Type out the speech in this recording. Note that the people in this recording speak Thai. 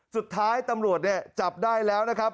สุดท้ายตำรวจเนี่ยจับได้แล้วนะครับ